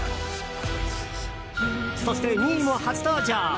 そして、２位も初登場！